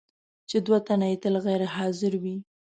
چې دوه تنه یې تل غیر حاضر وي.